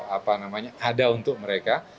apa namanya ada untuk mereka